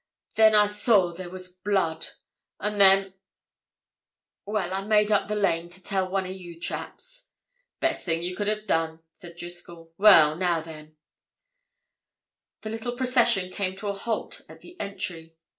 "Then I saw there was blood. And then—well, I made up the lane to tell one of you chaps." "Best thing you could have done," said Driscoll. "Well, now then—" The little procession came to a halt at the entry.